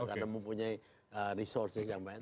karena mempunyai resources yang banyak